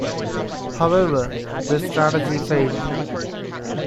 However, this strategy failed.